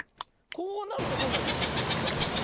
こうなるとどうなるかちょっとやってみるよ。